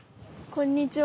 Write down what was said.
こんにちは。